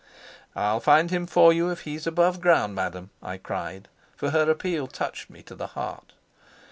"I'll find him for you if he's above ground, madam," I cried, for her appeal touched me to the heart.